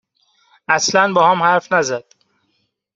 اصلا باهام حرف نزد